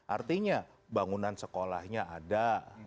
artinya bangunan sekolahnya ada